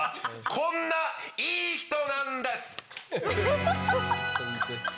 こんないい人なんです！